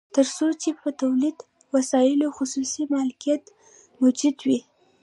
تر څو چې په تولیدي وسایلو خصوصي مالکیت موجود وي